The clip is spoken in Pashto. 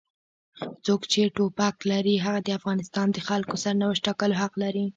څوک چې ټوپک لري هغه د افغانستان د خلکو د سرنوشت ټاکلو حق لري.